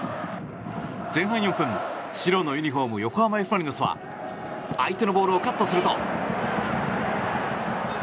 前半４分、白のユニホーム横浜Ｆ・マリノスは相手のボールをカットすると。